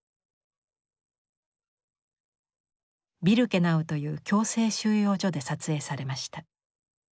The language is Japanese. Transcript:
ビルケナウという強制収容所で撮影されました。